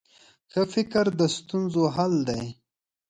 ښه فکر د ستونزو حل دی.